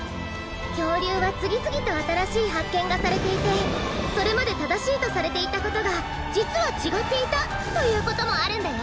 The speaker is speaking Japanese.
きょうりゅうはつぎつぎとあたらしいはっけんがされていてそれまでただしいとされていたことがじつはちがっていたということもあるんだよ！